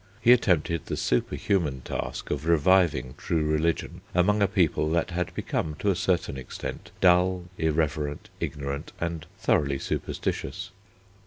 He attempted the superhuman task of reviving true religion among a people that had become to a certain extent dull, irreverent, ignorant, and thoroughly superstitious.